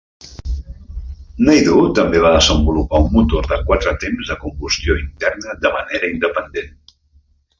Naidu també va desenvolupar un motor de quatre temps de combustió interna de manera independent.